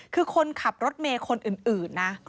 คือคนขับรถเมย์คนอื่นนะ